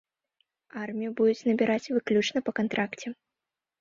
Армію будуць набіраць выключна па кантракце.